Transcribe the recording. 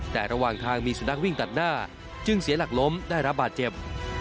แต่ระหว่างทางมีสุนัขวิ่งตัดหน้าจึงเสียหลักล้มได้รับบาดเจ็บ